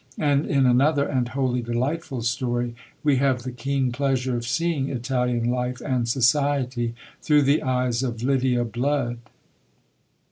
And in another and wholly delightful story, we have the keen pleasure of seeing Italian life and society through the eyes of Lydia Blood.